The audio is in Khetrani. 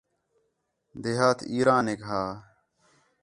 دیہات اہرا نیک ہا